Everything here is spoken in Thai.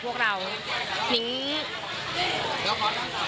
พ่อหลวงราชการที่๙ของพวกเรา